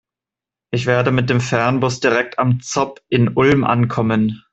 Ich werde mit dem Fernbus direkt am ZOB in Ulm ankommen.